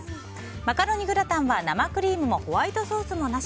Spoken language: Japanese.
マカロニグラタンは生クリームもホワイトソースもなし。